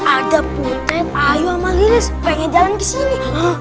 ada putet ayu sama liris pengen jalan kesini